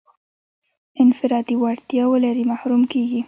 انفرادي وړتیا ولري محروم کېږي.